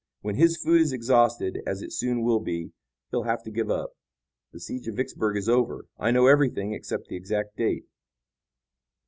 When his food is exhausted, as it soon will be, he'll have to give up. The siege of Vicksburg is over. I know everything, except the exact date."